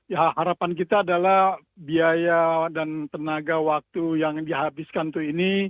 ya harapan kita adalah biaya dan tenaga waktu yang dihabiskan itu ini